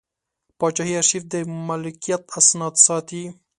پاچاهي ارشیف د ملکیت اسناد ساتي.